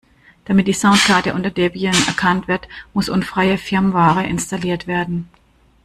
Damit die Soundkarte unter Debian erkannt wird, muss unfreie Firmware installiert werden.